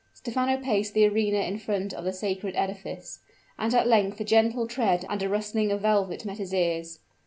Stephano paced the arena in front of the sacred edifice; and at length a gentle tread and a rustling of velvet met his ears.